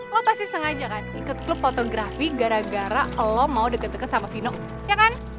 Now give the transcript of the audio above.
lo pasti sengaja kan ikut klub fotografi gara gara lo mau deket deket sama vino ya kan